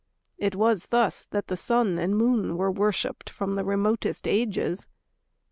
It was thus that the sun and moon were worshipped from the remotest ages.